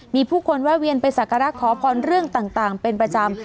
มีผู้คนแวะเวียนไปสักการะขอพรเรื่องต่างเป็นประจำ